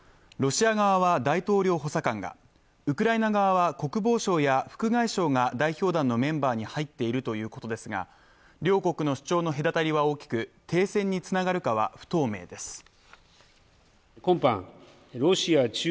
ロシア側は大統領補佐官がウクライナ側は国防相や副外相が代表団のメンバーに入っているということですが、両国の主張の隔たりは大きく停戦につながるかは不透明です。